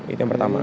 itu yang pertama